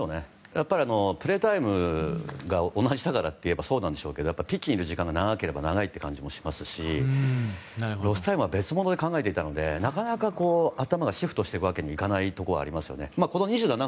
やっぱりプレータイムが同じだからといえばそうですがピッチにいる時間が長ければ長いって感じがしますしロスタイムは別物で考えていたのでなかなか、頭がシフトしていくわけにはいかないところがありますね。